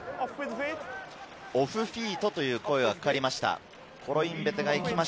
オフフィートという声がかかりました。